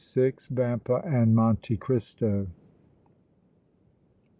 VAMPA AND MONTE CRISTO.